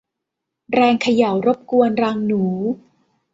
แรงเขย่ารบกวนรังหนู